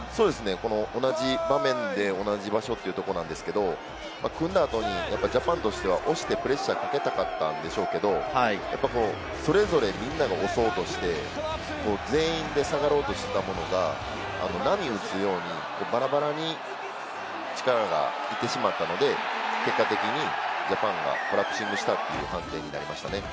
同じ場面で同じ場所というところなんですけど、組んだ後にジャパンとしては押してプレッシャーをかけたかったんでしょうけど、それぞれみんなが押そうとして、全員で下がろうとしていたものが波を打つようにバラバラに力がいってしまったので、結果的にジャパンがコラプシングしたという判定でしたね。